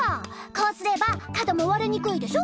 こうすれば角もわれにくいでしょ。